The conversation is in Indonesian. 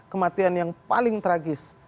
kematian yang paling tragis